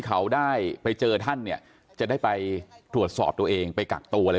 เขาได้ไปเจอท่านเนี่ยจะได้ไปตรวจสอบตัวเองไปกักตัวอะไร